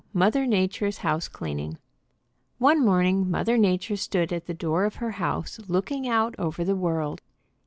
Mother Nature's House Cleaning One morning Mother Nature stood at the door of her house looking out over the world.